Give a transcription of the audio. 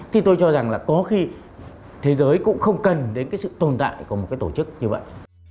thì tôi cho rằng là có khi thế giới cũng không cần đến cái sự tồn tại của một cái tổ chức như vậy